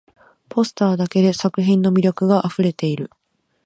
ポスターだけで作品の魅力があふれている